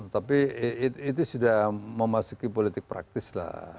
tapi itu sudah memasuki politik praktis lah